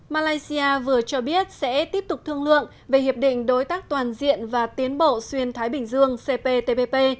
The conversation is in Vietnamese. malaysia vừa cho biết sẽ tiếp tục thương lượng về hiệp định đối tác toàn diện và tiến bộ xuyên thái bình dương cptpp